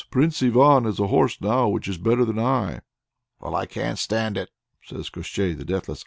Prince Ivan has a horse now which is better than I." "Well, I can't stand it," says Koshchei the Deathless.